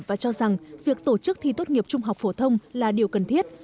và cho rằng việc tổ chức thi tốt nghiệp trung học phổ thông là điều cần thiết